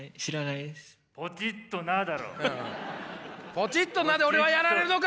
「ポチッとな！」で俺はやられるのか！